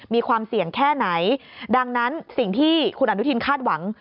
มีความเสี่ยงแค่ไหนดังนั้นสิ่งที่คุณอนุทินคาดหวัง